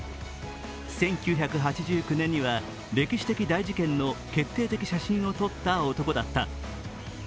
１９８９年には歴史的大事件の決定的写真を撮った男だった。